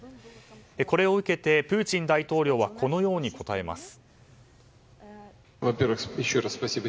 これを受けてプーチン大統領はこのように答えます。